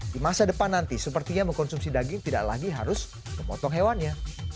di masa depan nanti sepertinya mengkonsumsi daging tidak lagi harus memotong hewannya